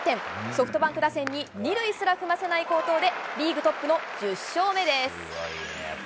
ソフトバンク打線に２塁すら踏ませない好投で、リーグトップの１０勝目です。